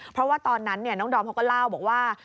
เพราะว่าตอนนั้นน้องดอมเขาก็เล่าบอกว่า